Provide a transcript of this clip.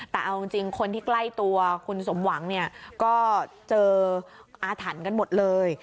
แต่เอาจริงคนที่ใกล้ตัวคุณสมหวังเนี่ยก็เจออาถรรพ์กันหมดเลย